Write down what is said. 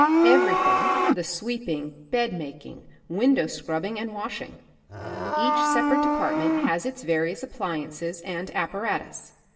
Every thing, the sweeping, bed making, window scrubbing and washing. Each separate department has its various appliances and apparatus.